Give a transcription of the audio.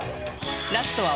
ラストは